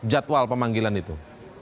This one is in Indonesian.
jadwal pemanggilan itu